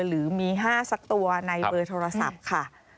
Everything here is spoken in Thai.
หรือมี๕สักตัวในเบอร์โทรศัพท์ค่ะ